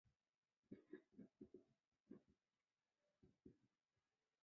店员建议我们点味噌汤